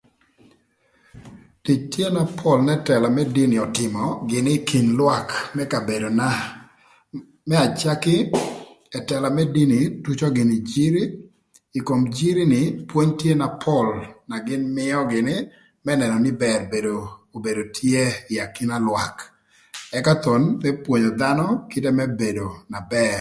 Tic tye na pol n'ëtëla më dini ötïmö gïnï ï kin lwak ï kabedona. Më acaki ëtëla më dini tuco gïnï jiri ï kom jiri ni pwony tye na pol na gïn mïö gïnï më nënö nï bër bedo obedo tye ï akina lwak ëka thon më pwonyo dhanö kte më bedo na bër.